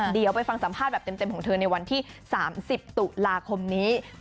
เดี๋ยวไปฟังสัมภาษณ์แบบเต็มของเธอในวันที่๓๐ตุลาคมนี้